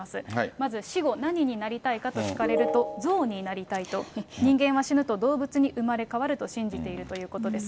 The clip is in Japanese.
まず、死後何になりたいかと聞かれると、象になりたいと、人間は死ぬと動物に生まれ変わると信じているということです。